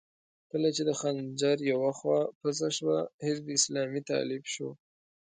کله چې د خنجر يوه خوا پڅه شوه، حزب اسلامي طالب شو.